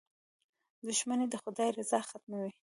• دښمني د خدای رضا ختموي.